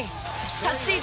昨シーズン